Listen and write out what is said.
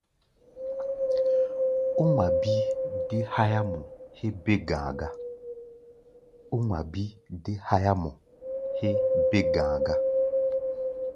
Ó ŋma bíí dé háyámɔ héé bé-ga̧a̧ gá.